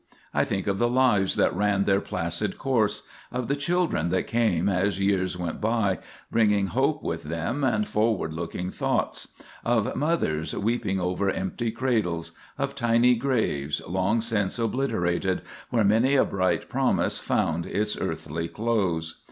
I think of the lives that ran their placid course; of the children that came as years went by, bringing "hope with them and forward looking thoughts"; of mothers weeping over empty cradles; of tiny graves, long since obliterated, where many a bright promise found "its earthly close."